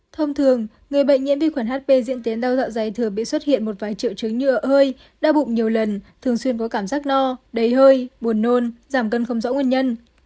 thông thường người bệnh nhiễm vi khuẩn hp diễn tiến đau dạ dày thừa bị xuất hiện một vài triệu chứng nhựa hơi đau bụng nhiều lần thường xuyên có cảm giác no đầy hơi buồn nôn giảm cân không rõ nguyên nhân